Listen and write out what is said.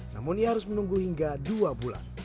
namun ia harus menunggu hingga dua bulan